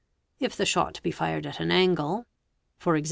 If the shot be fired at an angle, e.g.